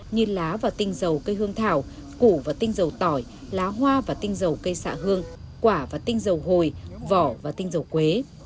như lá và tinh dầu cây hương thảo củ và tinh dầu tỏi lá hoa và tinh dầu cây xạ hương quả và tinh dầu hồi và tinh dầu quế